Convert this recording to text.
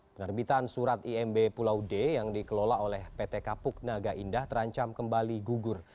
penerbitan surat imb pulau d yang dikelola oleh pt kapuk naga indah terancam kembali gugur